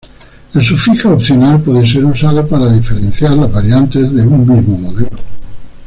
El sufijo opcional puede ser usado para diferenciar las variantes de un mismo modelo.